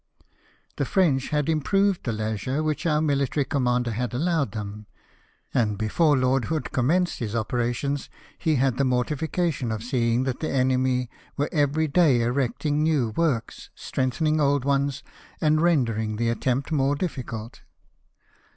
The French had im proved the leisure which our military commander had allowed them ; and before Lord Hood commenced his operations he had the mortification of seeing that the enemy were every day erecting new works, strengthening old ones, and rendering the attempt more difficult.